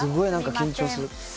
緊張する。